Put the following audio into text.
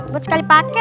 buat sekali pake